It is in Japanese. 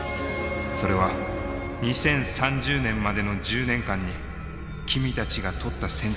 それは２０３０年までの１０年間に君たちがとった選択が招いた世界だ。